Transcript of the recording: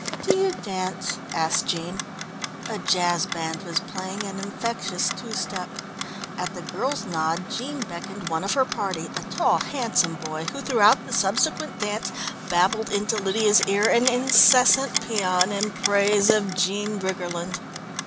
"Do you dance?" asked Jean. A jazz band was playing an infectious two step. At the girl's nod Jean beckoned one of her party, a tall, handsome boy who throughout the subsequent dance babbled into Lydia's ear an incessant pæan in praise of Jean Briggerland.